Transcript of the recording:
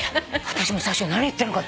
私も最初何言ってんのか。